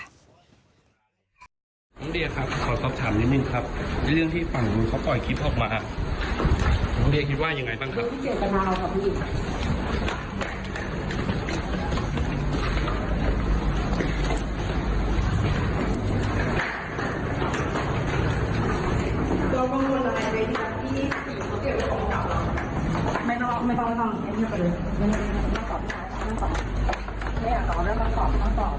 น้องเดียครับขอตอบถามนิดนึงครับเรื่องที่ฝั่งนู้นเขาปล่อยคลิปออกมาน้องเดียคิดว่ายังไงบ้างครับ